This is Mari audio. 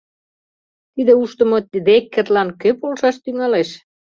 — Тиде ушдымо Деккерлан кӧ полшаш тӱҥалеш?